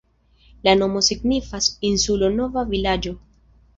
La nomo signifas insulo-nova-vilaĝo.